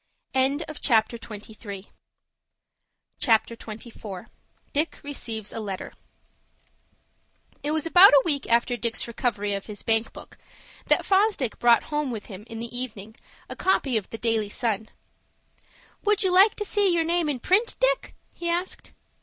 CHAPTER XXIV. DICK RECEIVES A LETTER It was about a week after Dick's recovery of his bank book, that Fosdick brought home with him in the evening a copy of the "Daily Sun." "Would you like to see your name in print, Dick?" he asked.